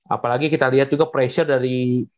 apalagi kita lihat juga pressure dari